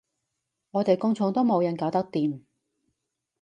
我哋工廠都冇人搞得掂